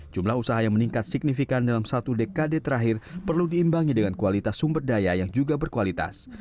jumlah usaha yang meningkat signifikan dalam satu dekade terakhir perlu diimbangi dengan kualitas sumber daya yang juga berkualitas